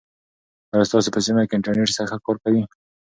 آیا ستاسو په سیمه کې انټرنیټ ښه کار کوي؟